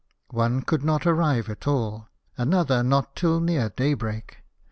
One could not arrive at all ; another not till near daybreak.